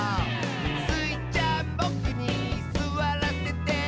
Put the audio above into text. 「スイちゃんボクにすわらせて？」